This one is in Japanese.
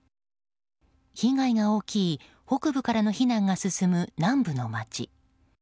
被害が大きい北部からの避難が進む、南部の町。